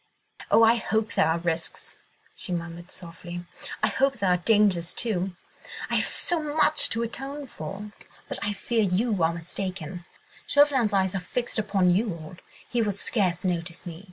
"Oh, I hope there are risks!" she murmured softly. "I hope there are dangers, too!—I have so much to atone for. But I fear you are mistaken. Chauvelin's eyes are fixed upon you all, he will scarce notice me.